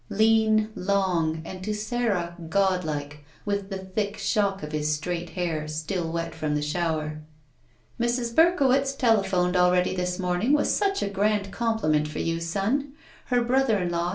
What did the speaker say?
Lean, long, and, to Sara, godlike, with the thick shock of his straight hair, still wet from the •shower. Mrs. Berkowitz telephoned already this morning with such a grand compliment for you, son. Her brother in law.